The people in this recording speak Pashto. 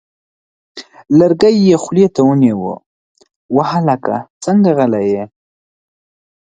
لرګی یې خولې ته ونیوه: وه هلکه څنګه غلی یې!؟